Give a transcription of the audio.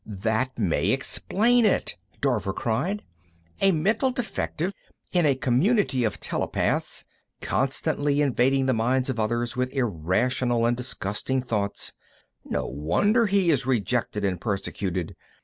"That may explain it!" Dorver cried. "A mental defective, in a community of telepaths, constantly invading the minds of others with irrational and disgusting thoughts; no wonder he is rejected and persecuted.